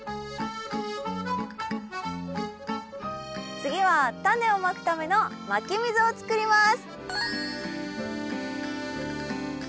次はタネをまくためのまき溝をつくります。